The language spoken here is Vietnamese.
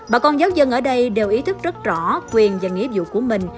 bà con giáo dân ở đây đều ý thức rất rõ quyền và nghĩa vụ của mình